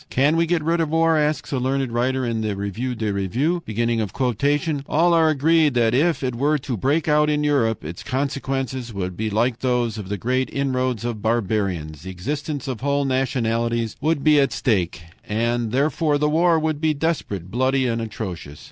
"Can we get rid of war"? asks a learned writer in the REVUE DES REVUES. "All are agreed that if it were to break out in Europe, its consequences would be like those of the great inroads of barbarians. The existence of whole nationalities would be at stake, and therefore the war would be desperate, bloody, atrocious.